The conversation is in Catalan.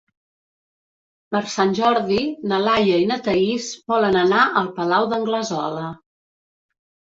Per Sant Jordi na Laia i na Thaís volen anar al Palau d'Anglesola.